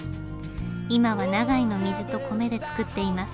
今は長井の水と米で造っています。